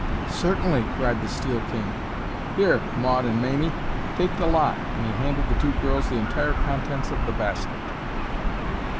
"Certainly," cried the Steel King; "here, Maud and Mamie, take the lot," and he handed the two girls the entire contents of the basket.